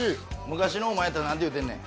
昔のお前やったらなんて言うてんねん？